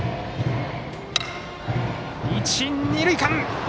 一、二塁間！